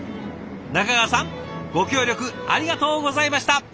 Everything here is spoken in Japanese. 中川さんご協力ありがとうございました。